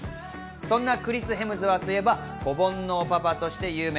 そんなクリス・ヘムズワースといえば子煩悩パパとして有名。